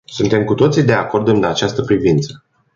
Suntem cu toții de acord în această privință.